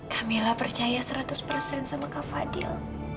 camillah percaya seratus persen sama kak fadil